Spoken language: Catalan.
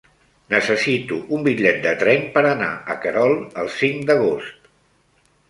Necessito un bitllet de tren per anar a Querol el cinc d'agost.